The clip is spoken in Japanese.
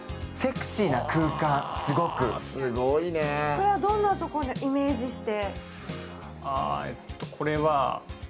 これはどんなところをイメージして？